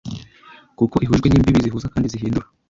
kuko ihujwe n'imbibi zihuza kandi zihindura